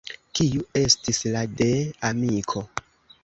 Kiu estis la de amiko?